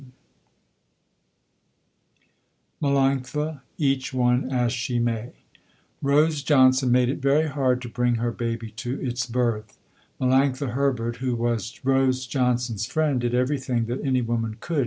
FINIS MELANCTHA EACH ONE AS SHE MAY Rose Johnson made it very hard to bring her baby to its birth. Melanctha Herbert who was Rose Johnson's friend, did everything that any woman could.